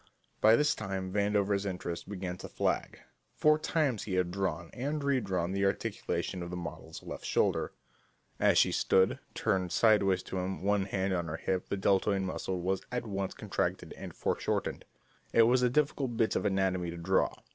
By this time Vandover's interest began to flag. Four times he had drawn and redrawn the articulation of the model's left shoulder. As she stood, turned sideways to him, one hand on her hip, the deltoid muscle was at once contracted and foreshortened. It was a difficult bit of anatomy to draw.